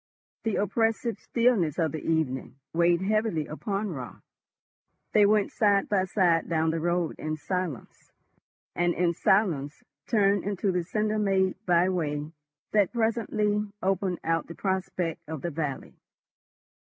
The oppressive stillness of the evening weighed heavily upon Raut. They went side by side down the road in silence, and in silence turned into the cinder made by way that presently opened out the prospect of the valley.